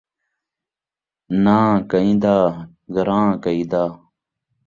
ناں کئیں دا ، گران٘ہہ کئیں دا